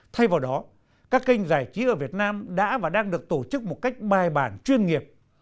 thay vào đó các kênh giải trí ở việt nam đã và đang được tổ chức một cách bài bản chuyên nghiệp